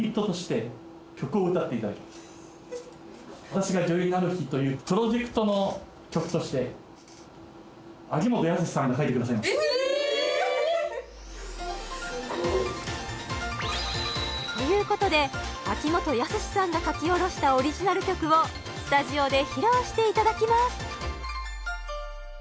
「私が女優になる日」というプロええっすごっ！ということで秋元康さんが書き下ろしたオリジナル曲をスタジオで披露していただきます